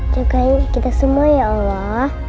cukai kita semua ya allah